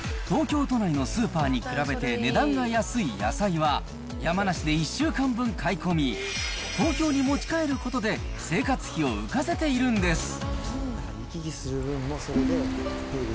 東京都内のスーパーに比べて値段が安い野菜は、山梨で１週間分買い込み、東京に持ち帰ることで、生活費を浮かせているんです。